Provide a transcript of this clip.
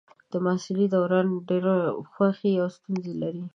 د محصلۍ دوران ډېرې خوښۍ او ستونزې لري.